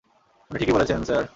উনি ঠিকই বলেছেন, স্যার।